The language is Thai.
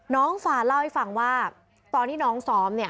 น้องฟาเล่าให้ฟังว่าตอนที่น้องซ้อมเนี่ย